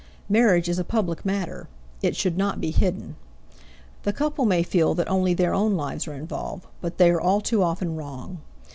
Marriage is a public matter; it should not be hidden. The couple may feel that only their own lives are involved, but they are all too often wrong.